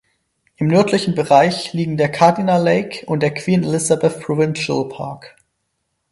Im nördlichen Bereich liegen der Cardinal Lake und der Queen Elizabeth Provincial Park.